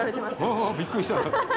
ああっ、びっくりした。